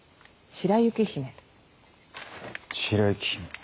白雪姫。